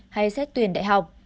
hay xét tuyển đại học